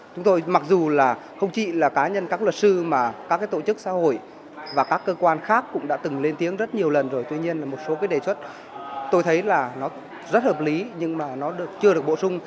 chúng tôi mặc dù là không chỉ là cá nhân các luật sư mà các tổ chức xã hội và các cơ quan khác cũng đã từng lên tiếng rất nhiều lần rồi tuy nhiên là một số cái đề xuất tôi thấy là nó rất hợp lý nhưng mà nó chưa được bổ sung